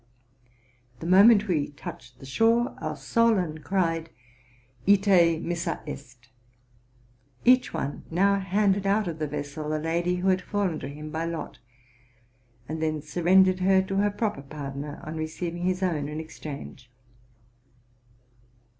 The moment we touched the shore, our Solon eried, '« Tte, missa est!'' Each one now handed out of the vessel the lady who had fallen to him by lot, and then surrendered her to her proper partner, on receiving his own in exchange.